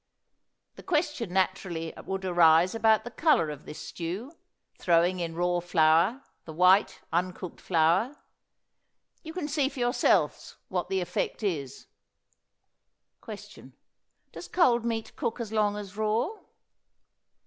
The question naturally would arise about the color of this stew, throwing in raw flour, the white, uncooked flour. You can see for yourselves what the effect is. Question. Does cold meat cook as long as raw?